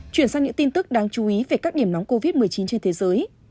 chuyển sang những tin tức đáng chú ý về các điểm nóng covid một mươi chín trên thế giới